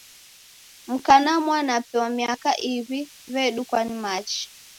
Mka na mwanape wa miaka iw'i w'edukwa ni machi.